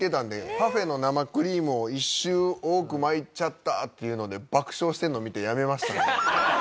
パフェの生クリームを１周多く巻いちゃったっていうので爆笑してるの見て辞めましたね。